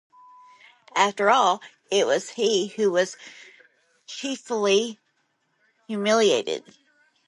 After all, it was he who was chiefly humiliated.